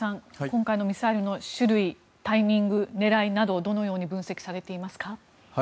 今回のミサイルの種類、タイミング狙いなどどのように分析されていますか。